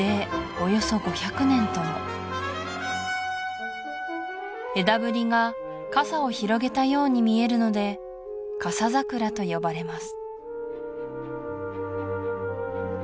およそ５００年とも枝ぶりが傘を広げたように見えるので傘桜と呼ばれます